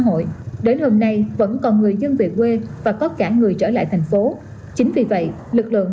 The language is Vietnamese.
hội đến hôm nay vẫn còn người dân về quê và có cả người trở lại thành phố chính vì vậy lực lượng